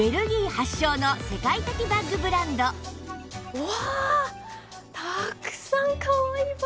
うわ！